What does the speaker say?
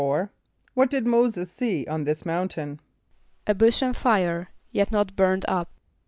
= What did M[=o]´[s+]e[s+] see on this mountain? =A bush on fire, yet not burned up.